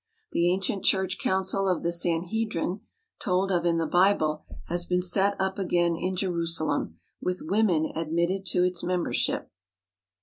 The ancient church council of the Sanhedrin, told of in the Bible, has been set up again in Jerusalem, with women admitted to its membership.